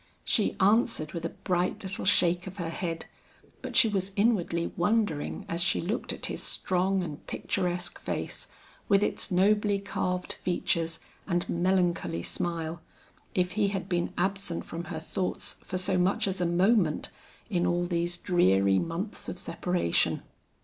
She answered with a bright little shake of her head, but she was inwardly wondering as she looked at his strong and picturesque face, with its nobly carved features and melancholy smile, if he had been absent from her thoughts for so much as a moment, in all these dreary months of separation.